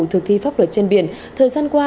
thực thi pháp luật trên biển thời gian qua